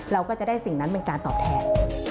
เราก็จะได้สิ่งนั้นเป็นการตอบแทน